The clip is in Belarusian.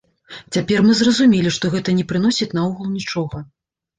Цяпер мы зразумелі, што гэта не прыносіць наогул нічога.